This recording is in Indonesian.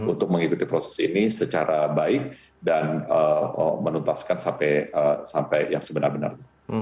untuk mengikuti proses ini secara baik dan menuntaskan sampai yang sebenar benar